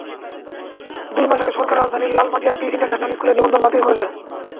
দুই মাস আগে সরকার রাজধানীর লালমাটিয়ার পিস ইন্টারন্যাশনাল স্কুলের নিবন্ধন বাতিল করেছে।